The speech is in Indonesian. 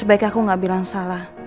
sebaiknya aku gak bilang salah